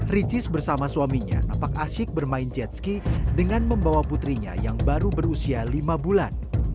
ricis bersama suaminya nampak asyik bermain jet ski dengan membawa putrinya yang baru berusia lima bulan